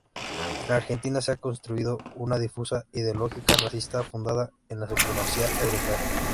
En Argentina se ha construido una difusa ideología racista fundada en la supremacía europea.